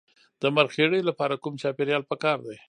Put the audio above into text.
د مرخیړیو لپاره کوم چاپیریال پکار دی؟